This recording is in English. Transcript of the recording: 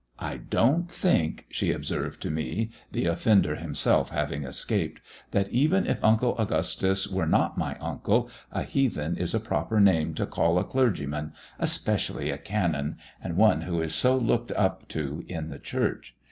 "I don't think," she observed to me, the offender himself having escaped, "that even if Uncle Augustus were not my uncle, a heathen is a proper name to call a clergyman, especially a canon and one who is so looked up to in the Church.